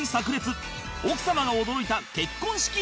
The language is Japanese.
奥様が驚いた結婚式秘話